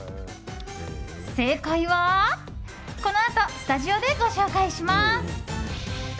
正解は、このあとスタジオでご紹介します。